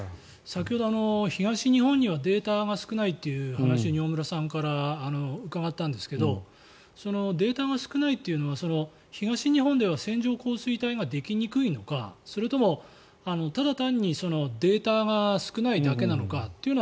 先ほど東日本にはデータが少ないという話を饒村さんから伺ったんですがデータが少ないというのは東日本では線状降水帯ができにくいのかそれとも、ただ単にデータが少ないだけなのか。